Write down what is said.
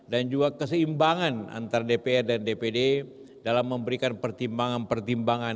dan juga keseimbangan antara dpr dan dpd dalam memberikan pertimbangan pertimbangan